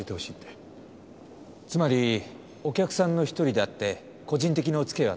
つまりお客さんの１人であって個人的なお付き合いはなかった。